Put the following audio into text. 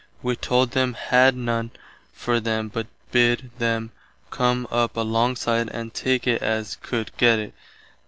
Wee told them had none for them but bid them come up alongside and take it as could gett it.